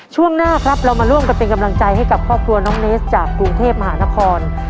ช่วงหน้าครับเรามาร่วมกันเป็นกำลังใจให้กับครอบครัวน้องเนสจากกรุงเทพมหานคร